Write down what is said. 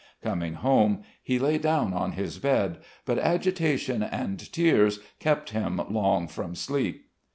Coming home, he lay down on his bed, but agitation and tears kept him long from sleep....